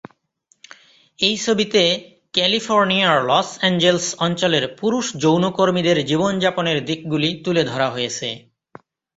এই ছবিতে ক্যালিফোর্নিয়ার লস এঞ্জেলস অঞ্চলের পুরুষ যৌনকর্মীদের জীবনযাপনের দিকগুলি তুলে ধরা হয়েছে।